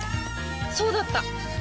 そうだった！